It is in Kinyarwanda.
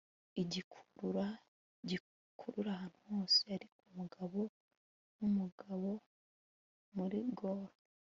Igikurura cyikurura ahantu hose ariko umugabo numugabo muri gaol